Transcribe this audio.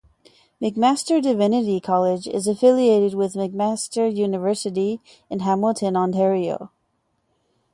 McMaster Divinity College is affiliated with McMaster University in Hamilton, Ontario.